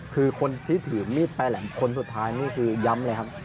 คือคนที่ถือมีดปลายแหลมคนสุดท้ายนี่คือย้ำเลยครับ